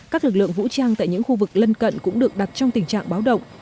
các lực lượng vũ trang tại những khu vực lân cận cũng được đặt trong tình trạng báo động